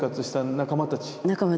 仲間たち。